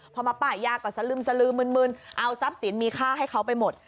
พอมาป้ายยาก็สลึมสลือมึนเอาทรัพย์สินมีค่าให้เขาไปหมด